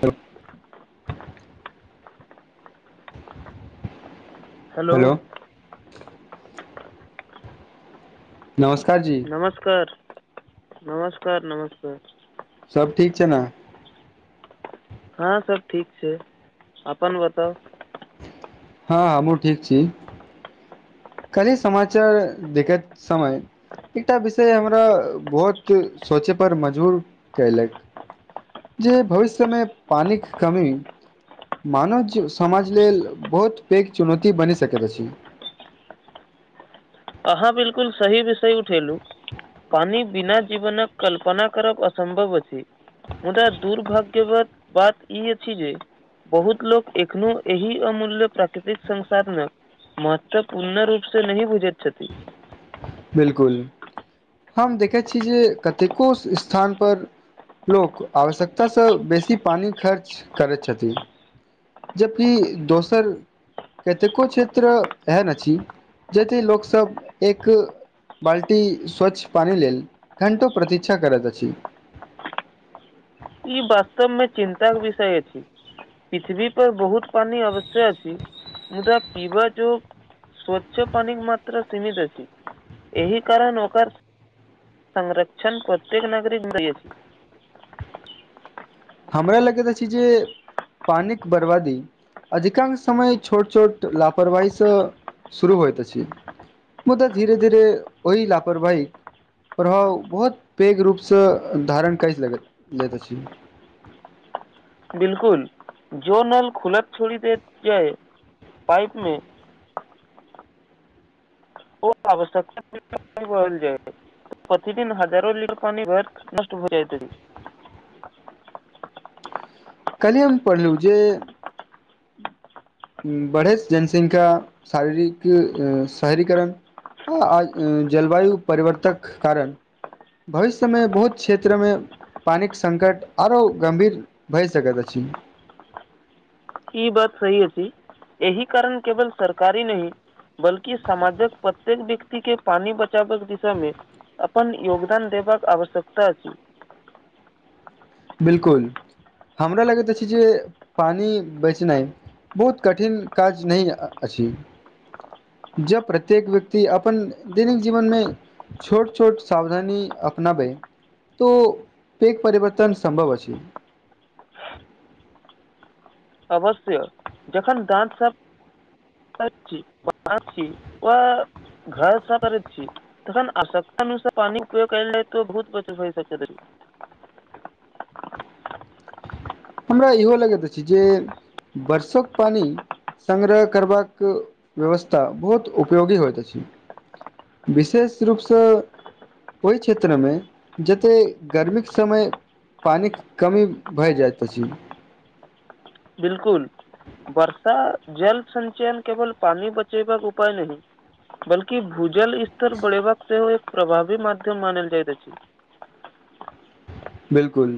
त। हेलो। नमस्कार जी। नमस्कार, नमस्कार, नमस्कार। सभ ठीक छै ने। हँ, सभ ठीक छै, अपन बताउ। हँ, हम्मु ठीक छी। काली समाचार देखैत समय एकटा विषय हमरा बहुत सोचय पर मजबूर कैलक। जे भविष्यमे पानिक कमी मानव समाज लेल बहुत पैघ चुनौती बनि सकैत अछि। अहाँ बिल्कुल सही विषय उठेलु पानि बिना जीवनक कल्पना करब असम्भव अछि हमरा दुर्भाग्यक बात ई अछि जे बहुत लोक एखनो एहि अमूल्य प्राकृतिक संसाधनक महत्व पूर्ण रूपसॅं नहि बुझैत छथि बिल्कुल, हम देखैत छी जे कतेको स्थानपर लोक आवश्यकतासँ बेसी पानि खर्च करैत छथिन जब कि दोसर कतेको क्षेत्र एहन अछि जतय लोक सभ एक बाल्टी स्वच्छ पानि लेल घण्टो प्रतीक्षा करैत अछि। ई वास्तवमे चिन्ताके विषय अछि। पृथ्वी पर बहुत पानी अवश्य अछि छै मुदा पीबऽ जोग स्वच्छ पानी मात्र सीमित अछि एहि कारण ओकर संरक्षण प्रत्येक नागरिक [unintelligible] हमरा लगैत अछि जे पानिक बरबादी अधिकांश समय छोट-छोट लापरवाहीसँ शुरू होइत अछि मुदा धीेरे-धीेरे ओहि लापरवाही प्रभाव बहुत पैघ रूपसँ धारण कऽ लैत अछि बिल्कुल जो नल खुलत छोड़ि दैत अछि पाइपमे ओ [unintelligible] प्रतिदिन हजारो लीटर पानि बहिकऽ नष्ट भऽ जाइत अछि काल्हिये हम पढ़लहुँ जे बढ़े जनसंख्या शारीरिक शहरीकरण हॅं, जलवायु परिवर्तक कारक भविष्यमे बहुत क्षेत्रमे पानिक संकट आरो गम्भीर भए सकैत अछि ई बात सही अछि एहि कारण केवल सरकारी नहि बल्कि समाजक प्रत्येक व्यक्तिके पानी बचावै के दिशामे अपन योगदान देबाक आवश्यकता अछि। बिल्कुल हमरा लगैत अछि जे पानी बचेनाइ बहुत कठिन काज नहि अछि। जब प्रत्येक व्यक्ति अपन दैनिक जीवनमे छोट-छोट सावधानी अपनाबै तॅं पैघ परिवर्तन संभव अछि। अवश्य, जखन दाँत सब ब आ घास स कर छी [unintelligible] तखन आवश्यकता अनुसार पानी उपयोग करल लए तऽ बहुत बचत हो सकत अछि हमरा इहो लगैत अछि जे बरसोक पानि संग्रह करबाक व्यवस्था बहुत उपयोगी होइत अछि। विशेष रूपसँ ओहि क्षेत्रमे जतेक गर्मीक समय पानिक कमी भए जाइत अछि। बिल्कुल बर्षा जल संचयन केवल पानी बचेबाक उपाय नहि बल्कि भूजल स्तर बढ़ेबाक सेहो एक प्रभावी माध्यम मानल जाइत अछि बिल्कुल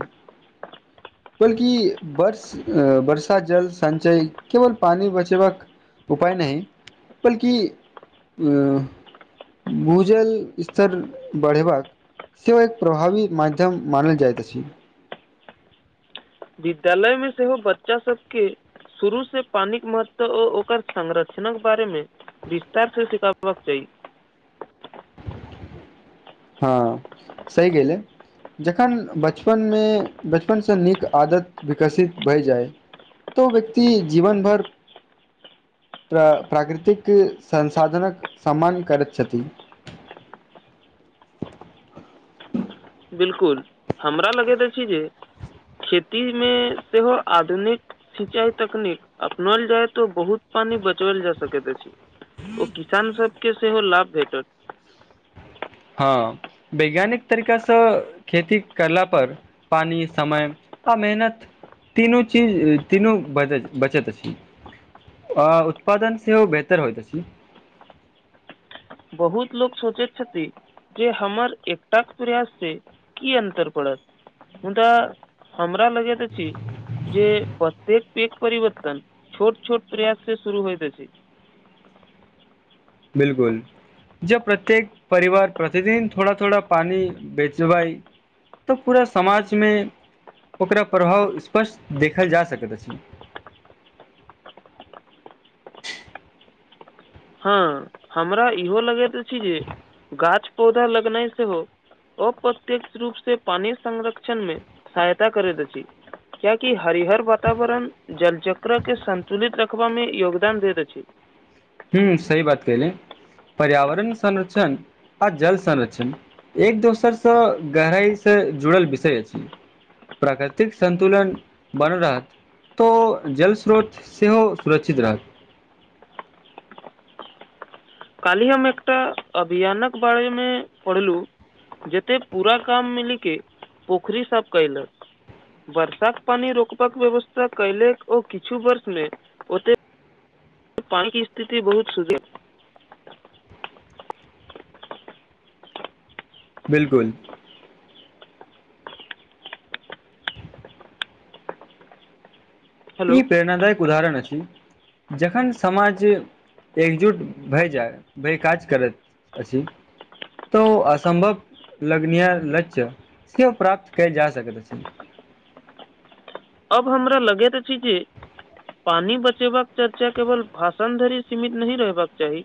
[inaudible] बल्कि बस वर्षा जल संचय केवल पानि बचेबाक उपाय नहि बल्कि [unintelligible] भूजल स्तर बढ़ेबाक सेहो एक प्रभावी माध्यम मानल जाइत अछि विद्यालय मे सेहो बच्चा सबके शुरू से पानी के महत्व आ ओकर संरक्षणक बारे मे विस्तार से सिखाबक चाही हँ सही गेलै जखन बचपनमे बचपनसँ नीक आदत विकसित भए जाय तौ व्यक्ति जीवन भरि प्र प्राकृतिक संसाधनक सम्मान करैत छथि बिल्कुल हमरा लगैत अछि जे खेती मे सेहो आधुनिक सिंचाई तकनीक अपनाऊल जाय तो बहुत पानी बचल जा सकैत अछि ओ किसान सबके सेहो लाभ भेटत हँ वैज्ञानिक तरीका सँ खेती करला पर पानि समय आ मेहनत तीनू चीज तीनू बच बचत अछि अ उत्पादन सेहो बेहतर होइत अछि बहुत लोक सोचैत छथि जे हमर एकटाक प्रयास छै की अन्तर पड़त मुदा हमरा लगेत अछि जे प्रत्येक दिन परवर्तन छोट छोट प्रयास से शुरू होइत अछि बिल्कुल ज प्रत्येक परिवार प्रतिदिन थोड़ा थोड़ा पानि बेचबइ तऽ पूरा समाजमे ओकरा प्रभाव स्पष्ट देखल जा सकैत अछि हँ हमरा इहो लगैत अछि जे गाछ पौधा लगनाइ सेहो अप्रत्यक्ष रूप से पानी संरक्षण मे सहायता करैत अछि कियाकि हरिहर वातावरण जलचक्र के संन्तुलित रखबा में योगदान दैत अछि ह सहि बात क ले पर्यावरण संरक्षण आ जल संरक्षण एक दोसरसँ गहराई से जुड़ल विषय अछि प्राकृतिक सतुलन बन रहत तऽ जल स्रोत सेहो सुरक्षित रहत काल्ही हम एकटा अभियानक बारे मे पढ़लहु जतेक पूरा काम मिली के पोखरी साफ कयलक वर्षा क पानी रोकबाक व्यवस्था केलक ओ किछु वर्ष लेल ओते पानी स्थिति बहुत सुधत बिल्कुल ई हेलो प्रेरणा दायक उदाहरण हथीन जखन समाज एकजुट भए जाय भए काज करैत अछि तऽ असम्भव लगनय लग सेहो प्राप्त क जा सकैत अछि अब हमरा लगैत अछि जे पानी बचेबाक चर्चा केवल भाषण धरि सीमित नहि रहबाक चाही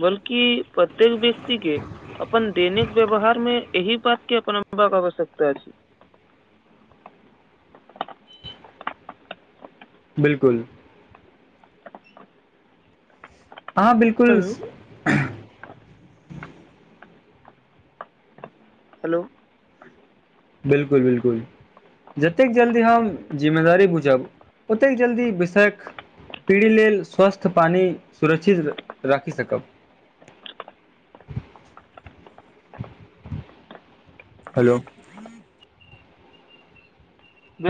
बल्कि प्रत्येक व्यक्ति के अपन दैनिक व्यवहार मे अही बात के अपन अनुभाव आवश्यकता छै‌ बिल्कूल हाँ बिल्कुल हेलो हेलो बिल्कुल बिल्कुल जतेक जल्दी हम जिम्मेदारी बुझब ओतेक जल्दी विषयख पीरी लेल स्वस्थ पानि सुरक्षित राखि सकब हेलो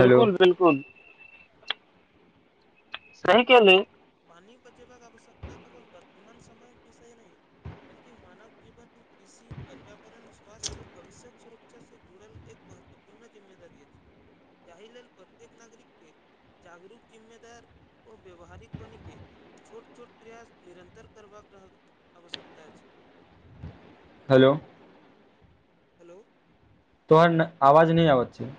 हेलो बिल्कुल सही के पानी बचेबा क आवश्यकता केवल वर्तमान समय विषय नहि मानव जीवन कृषि पर्यावरण स्वास्थ्य भविष्यक सुरक्षा से जुड़ल एक महत्वूर्ण पूर्ण जिम्मेदारी अछि जाहि लेल प्रत्येक नागरिक कऽ जागरूक जिम्मेदार ओ व्यावहारिक बनि के छोट छोट प्रयास निरन्तर करबाक रहक आवश्यकता अछि हेलो हे लो तोहर नऽ आवाज नहि आबत छै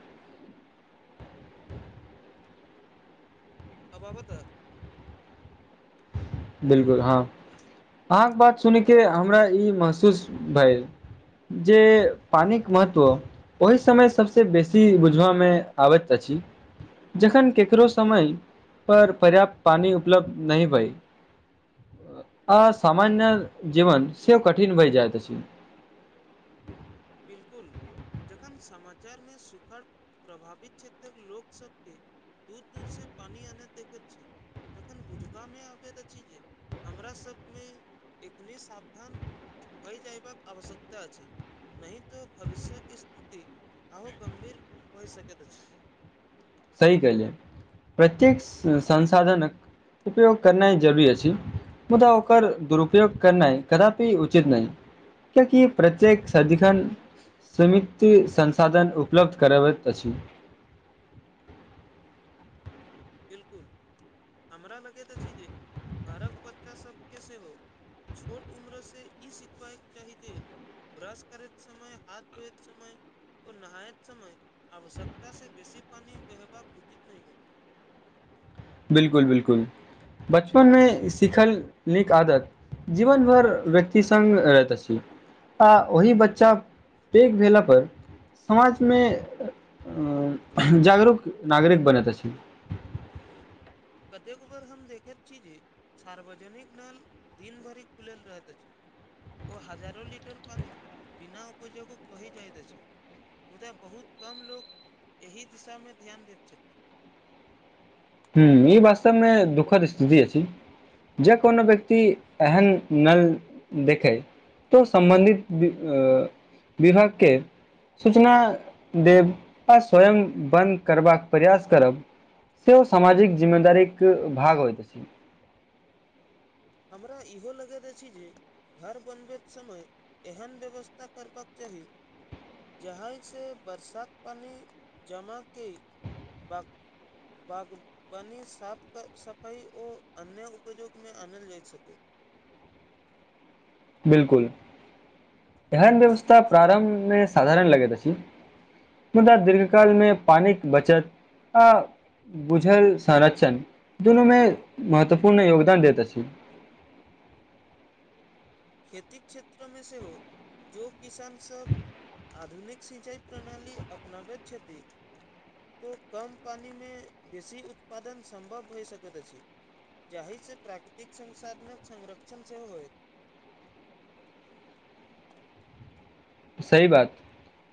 अब आबतऽ हेलो बिल्कुल हँ अहाँके बात सुनेके हमरा ई महसूस भेल जे पानि क महत्व ओहि समय सबसे बेसी बुझबा मे आबैत अछि जखन केकरो समय पर पर्याप्त पानी उपलब्ध नहि भइ असामान्य जीवन सेहो कठिन भइ जाइत अछि बिलकुल [inaudible] जखन समाचार मे सुखड़ प्रभावित क्षेत्रक लोक सब के दूर दूर से पानी अनैत देखैत छी तखन बुझबा मे आबैत अछि जे हमरा सब मे एखने सावधान होय जयबाक आवश्यकता छै नहि तऽ भविष्यक स्थिति आरो गम्भीर होइ सकैत अछि सही कहलिये प्रत्येक संसाधनक उपयोग करनाइ जरूरी अछि मुदा ओकर दुरुप्रयोग करनाइ कदापि उचित नहि कियाकि प्रत्येक सदिखन स्मिती संसाधन उपलब्ध करबैत अछि बिलकुल [inaudible] हमरा लगैत अछि जे घरक बच्चा सब के सेहो छोट उम्र से ई सिखबाअ के चाहि जे ब्रश करैत समय हाथ धुएत समय ओ नहायत समय आवश्यकता से बेसी पानी बहबाक उचित नहि ह बिल्कुल बिल्कुल बचपन मे सिखल नीक आदत जीवन भर व्यक्ति संग रहैत अछि आ ओहि बच्चा पैघ भेला पर समाज मे जागरूक नागरिक बनैत अछि कतेक बेर हम देखैत छी जे सार्वजनिक नल दिन भरि खुलल रहैत अछि ओ हजार लिटर पानि बिना उपयोग बही जाइत अछि मुदा बहुत कम लोग एहि दिशा मे ध्यान दैत छैथिन हू ई बास्तमे दुःखद स्थिति अछी जे कोनो व्यक्ति एहन नल देखैय तऽ सम्बन्धित बि अ इ विभगके सूचना देब आ स्वयं बन्द करबाक प्रयास करब से ओ सामाजिक जिम्मेदारी क भाग होइत अछी हमरा इहो लगैत अछि जे घर बनबैत समय एहन व्यवस्था करबक चाहि जाहए से बर्सात पानी जमाके ब बागवानी साफ सफाई आओ अन्य उपजोग मे आनन लेत [inaudible] [inaudible] बिलकुल एहन व्यवस्था प्रारम्भ मे साधारण लगेत अछि मुदा दीर्घ काल मे पानि क बचत आ गुझल सारचण दुनू मे महत्वपूर्ण योगदान देत अछि खेती क्षेत्र मे सेहो जो किसान सब आधुनिक सिंचाई प्रणाली अपनाबैत छथि ओ कम पानि मे बेसी उत्पादन सम्भव होइ सकैत अछि जाहि से प्राकृतिक संसाधन संरक्षण सेहो होयत सही बात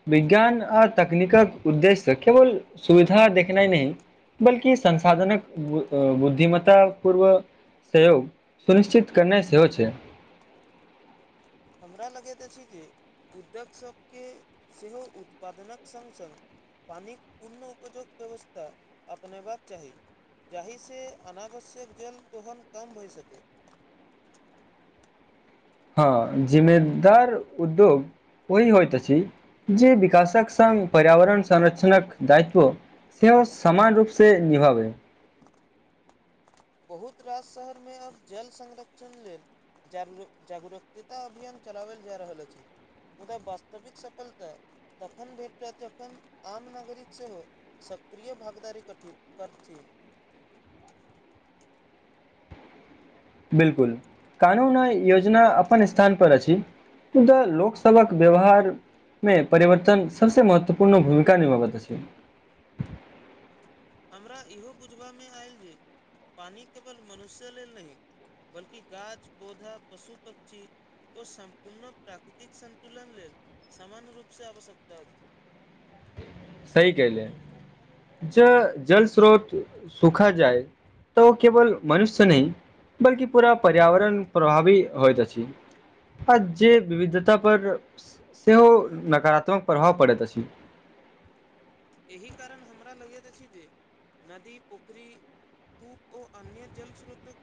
विज्ञान आ तकनीकक उद्देश्य केवल सुविधा देखनाइ नैय बल्कि संसाधनक बुद्धिमता पूर्व सहयोग सुनिश्चित करनाई सेहो छै हमरा लगैत अछि जे उद्योग सभके सेहो उत्पादनक संग संग पानिक पूनो उपजोग व्यवस्था अपनेयबाक चाही जाहिसँ अनावश्यक जल दोहन कम होए सकै हँ जिम्मेदार उद्योग ओहि होइत अछि जे विकासक संग पर्यावरण संरक्षणक दायित्व सेहो समान रूप सँ निभाबै बहुत रास शहर मे अब जल संरक्षण लेल जान जागरूतिता अभियान चलावल जा रहल अछि मुदा वास्तविक सफलता तखन भेटत तखन आम नागरिक सेहो सक्रिय भागदारी कठि कठित थिन बिल्कुल कानूनय योजना अपन स्थान पर अछि मुदा लोकसलक व्यवहार मे परिवर्तन सबसे महत्वपूर्ण भूमिका निभबैत अछि हमरा इहो बुझबा मे आयल जे पानि केवल मनुष्य लेल नहि बल्कि गाछ पौधा पशु पक्षी ओ सम्पूर्ण प्राकृतिक सन्तुलन लेल समान रूप से आवश्यकता अछि सही क ले ज जल स्रोत सुखा जाए त ओ केवल मनुष्य नहि बल्कि पूरा पर्यावरण प्रभावी होइत अछि आ जे विविधता पर सेहो नकारात्मक प्रभाव पड़ैत अछि एहि कारण हमरा लगैत अछि जे नदी पोखरी पू ओ अन्य जल स्रोतक